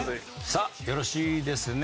さあよろしいですね？